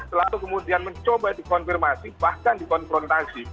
selalu kemudian mencoba dikonfirmasi bahkan dikonfrontasi